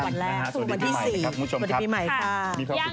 สวัสดีปีใหม่ครับ